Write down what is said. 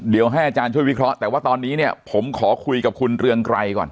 เดี๋ยวให้อาจารย์ช่วยวิเคราะห์แต่ว่าตอนนี้เนี่ยผมขอคุยกับคุณเรืองไกรก่อน